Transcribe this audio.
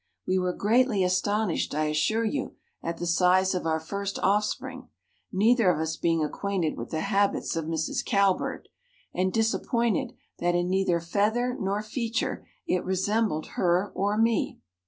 We were greatly astonished, I assure you, at the size of our first offspring, neither of us being acquainted with the habits of Mrs. Cowbird, and disappointed that in neither feather nor feature it resembled her or me."